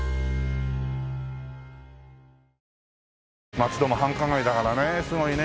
松戸も繁華街だからねすごいね。